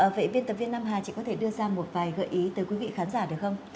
vậy biên tập viên nam hà chị có thể đưa ra một vài gợi ý tới quý vị khán giả được không